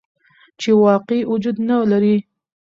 چې واقعي وجود نه لري.